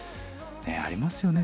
ありますよね